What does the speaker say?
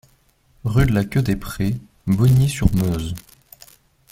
Rue de la Queue des Prés, Bogny-sur-Meuse